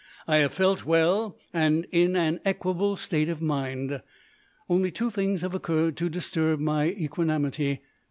I have felt well and in an equable state of mind. Only two things have occurred to disturb my equanimity.